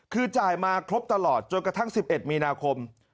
คือจ่ายมาครบตลอดจนกระทั่ง๑๑มีนาคม